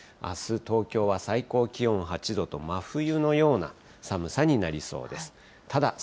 あす、東京は最高気温８度と、真冬のような寒さになりそうです。